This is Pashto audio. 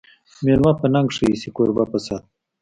مېلمه په ننګ ښه ایسي، کوربه په صت